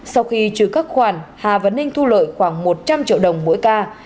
sau khi trừ các khoản hà văn ninh thu lợi khoảng một trăm linh triệu đồng mỗi ca